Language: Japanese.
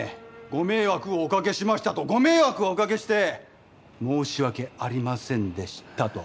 ご迷惑をおかけしましたとご迷惑をおかけして申し訳ありませんでしたと。